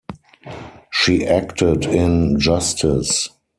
She acted in "Justice".